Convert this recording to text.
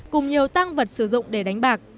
cùng nhiều tang vật sử dụng để đánh bạc